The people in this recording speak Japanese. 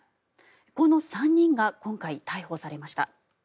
この３人が今回、逮捕されました。